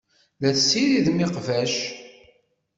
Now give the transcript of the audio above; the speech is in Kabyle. La tessiridem iqbac.